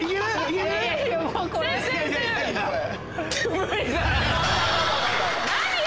無理だよ！